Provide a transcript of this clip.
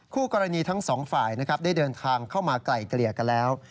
คู่กรณีทั้งสองฝ่ายนะครับได้เดินทางเข้ามาไกล่เกลี่ยกันแล้ว